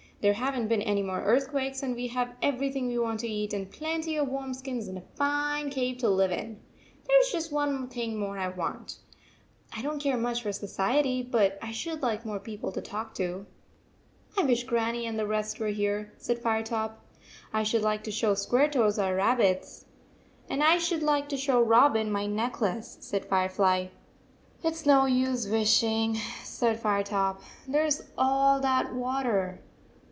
There have n t been any more earthquakes, and we have everything we want to eat, and plenty of warm skins and a fine cave to live in. There is just one thing more I want. I don t care much for society, but I should like more people to talk to." " I wish Grannie and the rest were here," said Firetop. " I should like to show Square toes our rabbits." " And I should like to show Robin my necklace," said Firefly. "It s no use wishing," said Firetop. " There s all that water."